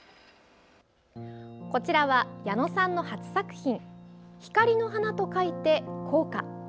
こちらは矢野さんの初作品光の華と書いて「光華」。